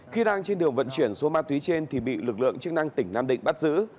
khi đang trên đường vận chuyển số ma túy trên thì bị lực lượng chức năng tỉnh nam định bắt giữ